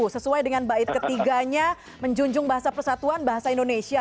sesuai dengan bait ketiganya menjunjung bahasa persatuan bahasa indonesia